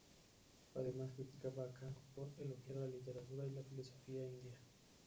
Además criticaba a Kang por elogiar la literatura y la filosofía indias.